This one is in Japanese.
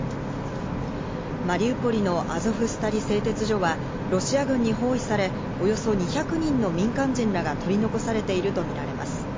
マリウポリのアゾフスタリ製鉄所はロシア軍に包囲され、およそ２００人の民間人らが取り残されているとみられます。